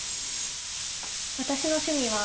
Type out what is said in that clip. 私の趣味は。